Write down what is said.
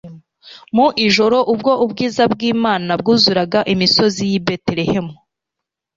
Mu ijoro, ubwo ubwiza bw'Imana bwuzuraga imisozi y'i Betelehemu,